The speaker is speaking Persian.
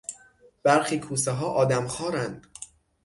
برخی کوسه ها آدمخوارند.